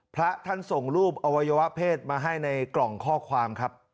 พระท่านส่งรูปอวัยวะเพศมาให้ในกล่องข้อความครับ